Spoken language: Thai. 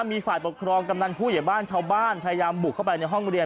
มีฝ่ายปกครองกำนันผู้ใหญ่บ้านชาวบ้านพยายามบุกเข้าไปในห้องเรียน